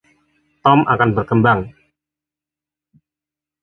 Tom akan berkembang.